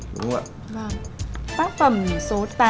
tác phẩm số tám